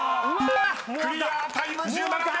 ［クリアタイム１７秒！］